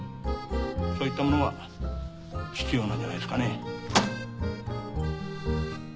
そういったものが必要なんじゃないですかね。